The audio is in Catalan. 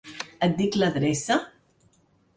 Et dic l'adreça?